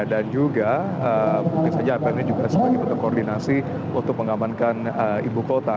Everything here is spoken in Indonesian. dan juga mungkin saja apel ini juga sebagai bentuk koordinasi untuk mengamankan ibu kota